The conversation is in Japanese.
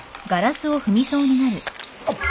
あっ！